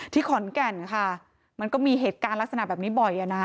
ขอนแก่นค่ะมันก็มีเหตุการณ์ลักษณะแบบนี้บ่อย